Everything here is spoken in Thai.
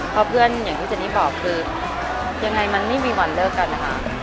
เพราะเพื่อนอย่างที่เจนี่บอกคือยังไงมันไม่มีวันเลิกกันนะคะ